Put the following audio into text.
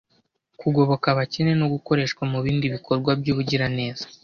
kugoboka abakene no gukoreshwa mu bindi bikorwa by’ubugiraneza